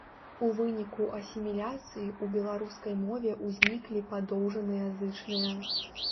У выніку асіміляцыі ў беларускай мове узніклі падоўжаныя зычныя.